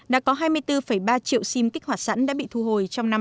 đã có hai mươi bốn ba triệu xim kích hoạt sẵn đã bị thu hồi trong năm hai nghìn một mươi bảy